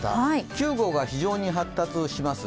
９号が非常に発達します。